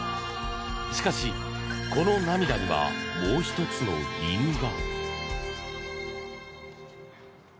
しかし、この涙にはもう１つの理由が。